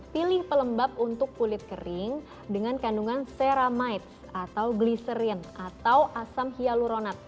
pilih pelembab untuk kulit kering dengan kandungan ceramid atau gliserin atau asam hyaluronat